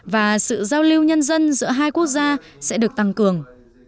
và sự giao lưu nhân dân giữa hai quốc gia sẽ được tăng cường